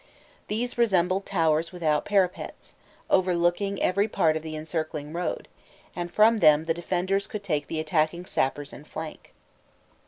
These resembled towers without parapets, overlooking every part of the encircling road, and from them the defenders could take the attacking sappers in flank.